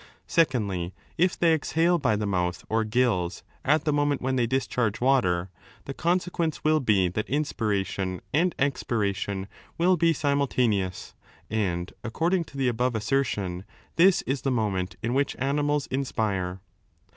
Secondly, if they exhale by the mouth or 5 gills at the moment when they discharge water, the consequence will be that inspiration and expiration will be simultaneous, and, according to the above assertion, this is the moment in which animals inspire.